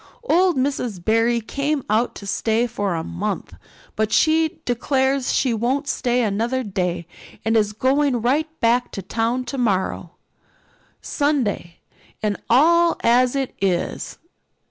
Old Miss Barry came out to stay for a month, but she declares she won't stay another day and is going right back to town tomorrow, Sunday and all as it is.